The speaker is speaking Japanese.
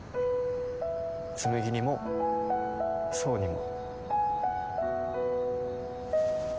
「紬にも想にも」